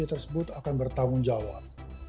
jadi organisasi tersebut akan bertanggung jawab